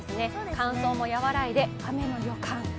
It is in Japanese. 乾燥も和らいで、雨の予感。